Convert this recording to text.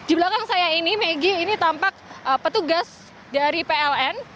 di belakang saya ini megi ini tampak petugas dari pln